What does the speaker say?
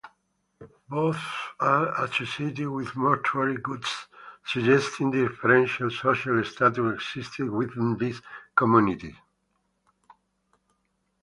Both are associated with mortuary goods, suggesting differential social status existed within these communities.